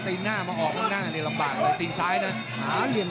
ต้องออกครับอาวุธต้องขยันด้วย